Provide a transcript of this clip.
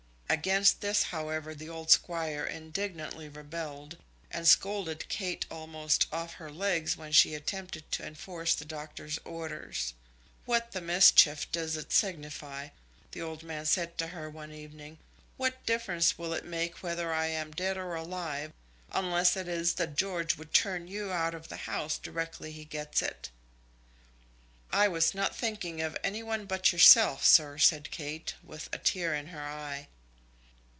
Against this, however, the old Squire indignantly rebelled, and scolded Kate almost off her legs when she attempted to enforce the doctor's orders. "What the mischief does it signify," the old man said to her one evening; "what difference will it make whether I am dead or alive, unless it is that George would turn you out of the house directly he gets it." "I was not thinking of any one but yourself, sir," said Kate, with a tear in her eye.